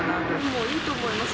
もういいと思います。